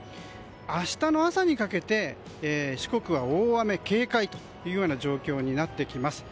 明日の朝にかけて四国は大雨警戒という状況になってきます。